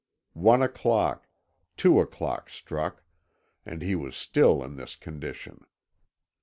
One o'clock, two o'clock struck, and he was still in this condition.